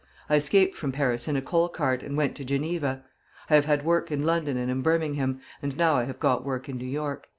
I escaped from Paris in a coal cart, and went to Geneva. I have had work in London and in Birmingham, and now I have got work in New York.'"